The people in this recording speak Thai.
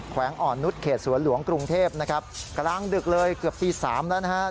แขวงอ่อนนุษย์เขตสลกรุงเทพครั้งโตกริงเกือบ๓นาทีแล้ว